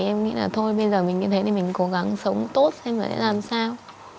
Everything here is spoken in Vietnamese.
thì em nghĩ là thôi bây giờ mình cứ thế thì mình cố gắng sống tốt xem là sẽ làm sao